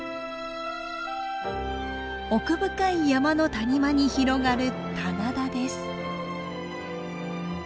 奥深い山の谷間に広がる棚田です。